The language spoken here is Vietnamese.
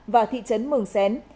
và thị trấn mường xén